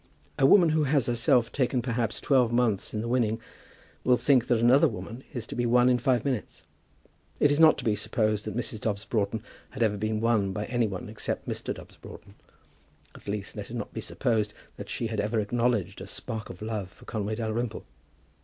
A woman who has herself taken perhaps twelve months in the winning, will think that another woman is to be won in five minutes. It is not to be supposed that Mrs. Dobbs Broughton had ever been won by any one except by Mr. Dobbs Broughton. At least, let it not be supposed that she had ever acknowledged a spark of love for Conway Dalrymple.